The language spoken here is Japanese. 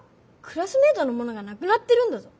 クラスメートのものがなくなってるんだぞ。